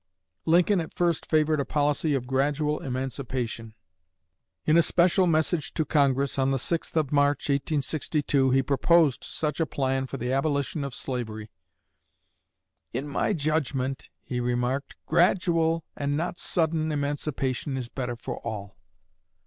Lincoln at first favored a policy of gradual emancipation. In a special message to Congress, on the 6th of March, 1862, he proposed such a plan for the abolition of slavery. "In my judgment," he remarked, "gradual, and not sudden, emancipation is better for all."